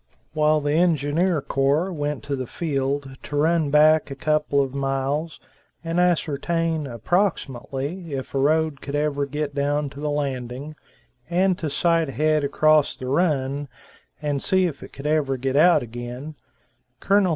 While the engineer corps went to the field, to run back a couple of miles and ascertain, approximately, if a road could ever get down to the Landing, and to sight ahead across the Run, and see if it could ever get out again, Col.